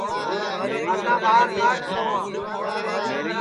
کھٹاں ٻار کھڈھ سؤاں